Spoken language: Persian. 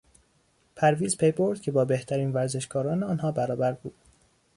پرویز پی برد که با بهترین ورزشکاران آنها برابر بود.